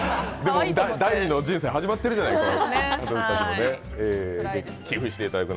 第二の人生始まってるじゃないですか。